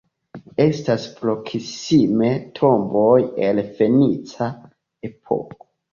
Estas proksime tomboj el fenica epoko.